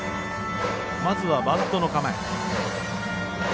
まずはバントの構え。